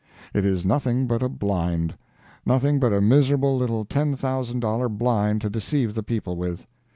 It is nothing but a blind—nothing but a miserable little ten thousand dollar blind to deceive the people with.